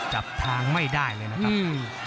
จับทางไม่ได้เลยนะครับ